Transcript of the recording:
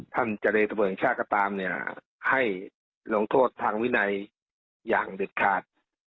ท่านเจรตบรรยายชาติก็ตามเนี่ยให้ลงโทษทางวินัยอย่างเด็ดขาด